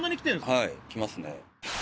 はい来ますね。